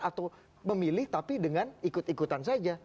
atau memilih tapi dengan ikut ikutan saja